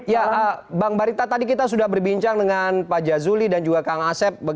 ya bang barita tadi kita sudah berbincang dengan pak jazuli dan juga kang asep